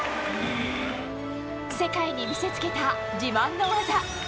世界に見せつけた自慢の技。